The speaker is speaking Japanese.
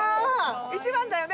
１番だよね？